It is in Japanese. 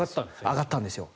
上がったんですよ。